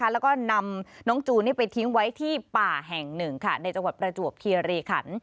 แล้วก็นำน้องจูนไปทิ้งไว้ที่ป่าแห่งหนึ่งในจังหวัดประจวบคีรีขัน